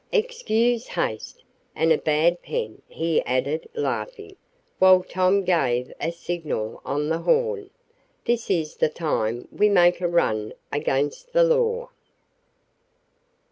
Excuse haste and a bad pen," he added, laughing, while Tom gave a signal on the horn. "This is the time we make a run against the law."